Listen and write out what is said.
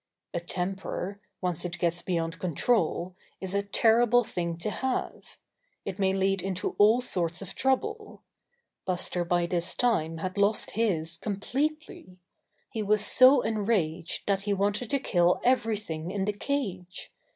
A temper, once it gets beyond control, is a terrible thing to have. It may lead into all sorts of trouble. Buster by this time had lost his completely. He was so enraged that he wanted to kill everything in the cage.